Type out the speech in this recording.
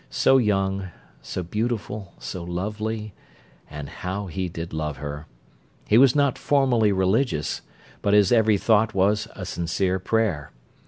So young, so beautiful, so lovely and how he did love her! He was not formally religious, but his every thought was a sincere prayer.